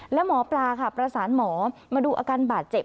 แล้วหมอปลาค่ะประสานหมอมาดูอาการบาดเจ็บ